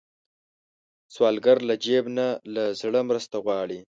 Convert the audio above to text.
سوالګر له جیب نه، له زړه مرسته غواړي